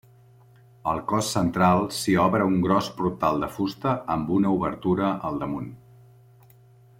Al cos central s'hi obra un gros portal de fusta amb una obertura al damunt.